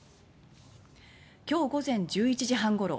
今日午前１１時半ごろ